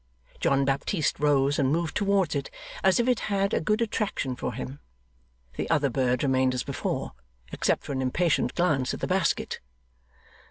John Baptist rose and moved towards it, as if it had a good attraction for him. The other bird remained as before, except for an impatient glance at the basket.